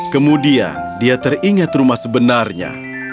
kemudian dia teringat rumah sebenarnya